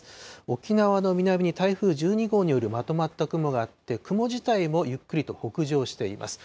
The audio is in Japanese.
沖縄の南に台風１２号によるまとまった雲があって、雲自体もゆっくりと北上しています。